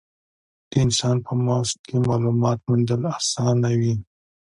د انسان په مغز کې مالومات موندل اسانه وي.